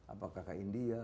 apakah ke india